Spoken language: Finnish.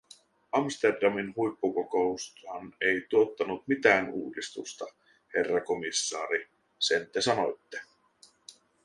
Amsterdamin huippukokoushan ei tuonut mitään uudistusta, herra komissaari, sen te sanoitte.